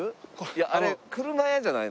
いやあれ車屋じゃないの？